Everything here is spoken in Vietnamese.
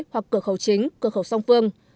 hoặc cửa khẩu chính cửa khẩu song phương